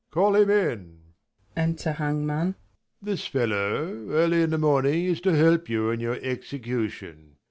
Prov. Call him in ! Untei Hangman. This fellow, early in the morning is To help you in your execution.